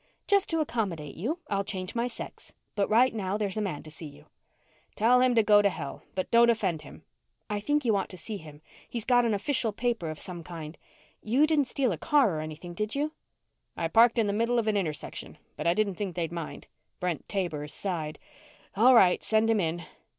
"Just to accommodate you, I'll change my sex. But right now, there's a man to see you." "Tell him to go to hell but don't offend him." "I think you ought to see him. He's got an official paper of some kind. You didn't steal a car or anything, did you?" "I parked in the middle of an intersection, but I didn't think they'd mind." Brent Taber sighed. "All right. Send him in."